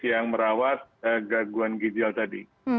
yang merawat gangguan ginjal tadi